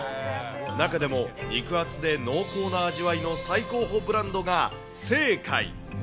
中でも肉厚で濃厚な味わいの最高峰ブランドが清海。